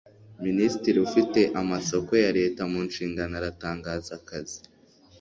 minisitiri ufite amasoko ya leta mu nshingano aratangaza akazi.